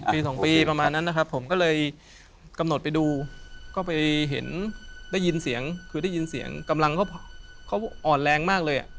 ปีสองปีประมาณนั้นนะครับผมก็เลยกำหนดไปดูก็ไปเห็นได้ยินเสียงคือได้ยินเสียงกำลังเขาอ่อนแรงมากเลย